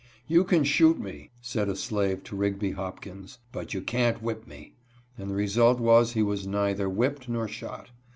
" You can shoot me," said a slave to Rigby Hopkins, " but you can't whip me," and the result was he was neither whipped nor shot.